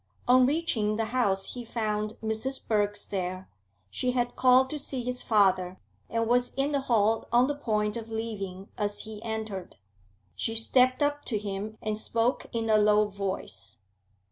On reaching the house he found Mrs. Birks there; she had called to see his father, and was in the hall on the point of leaving as he entered. She stepped up to him, and spoke in a low voice.